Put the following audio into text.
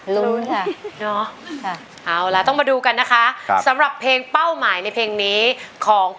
เราต่างสุขใจเมื่อคิดถึงกัน